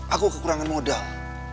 aku kekurangan modal